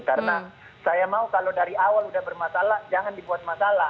karena saya mau kalau dari awal sudah bermasalah jangan dibuat masalah